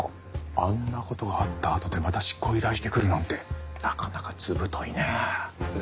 あんな事があったあとでまた執行を依頼してくるなんてなかなか図太いねえ。